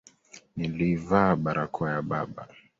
Nilivaa barakoa ya baba